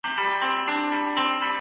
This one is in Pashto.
شپنه